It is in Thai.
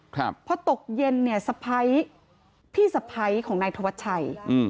ครับพอตกเย็นเนี่ยสะพ้ายพี่สะพ้ายของนายธวัชชัยอืม